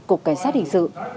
cục cảnh sát hình sự